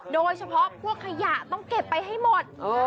โดยเฉพาะพวกขยะต้องเก็บไปให้หมด